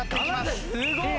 すごい！